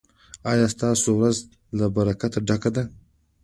ایا ستاسو ورځ له برکته ډکه ده؟